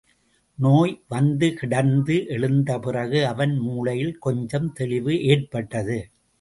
நோய் வந்துகிடந்து எழுந்தபிறகு அவன் மூளையில் கொஞ்சம் தெளிவு ஏற்பட்டது.